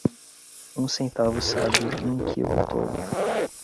Um centavo sábio e um quilo tolo.